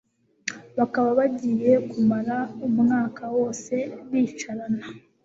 bakaba bagiye kumara umwaka wose bicarana!